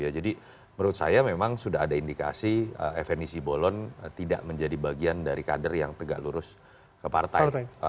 jadi menurut saya memang sudah ada indikasi fn di simbolon tidak menjadi bagian dari kader yang tegak lurus ke partai